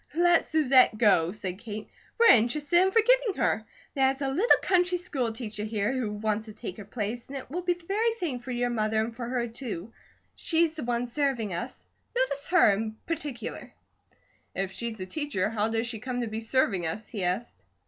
"Let Susette go!" said Kate. "We're interested in forgetting her. There's a little country school teacher here, who wants to take her place, and it will be the very thing for your mother and for her, too. She's the one serving us; notice her in particular." "If she's a teacher, how does she come to be serving us?" he asked.